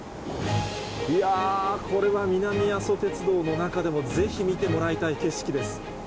いやー、これは南阿蘇鉄道の中でもぜひ見てもらいたい景色です。